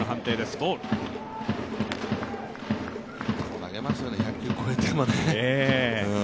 投げますよね、１００球超えてもね。